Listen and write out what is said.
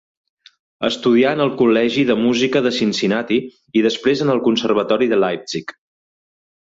Estudià en el Col·legi de Música de Cincinnati i després en el Conservatori de Leipzig.